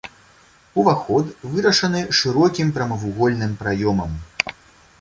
Уваход вырашаны шырокім прамавугольным праёмам.